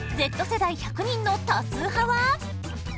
Ｚ世代１００人の多数派は？